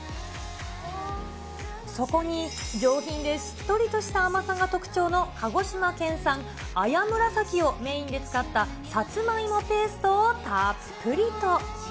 そこに上品でしっとりとした甘さが特徴の鹿児島県産、綾紫をメインで使ったさつまいもペーストをたっぷりと。